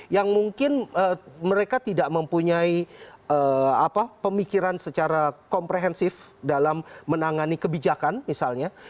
yang mungkin mereka tidak mempunyai pemikiran secara komprehensif dalam menangani kebijakan misalnya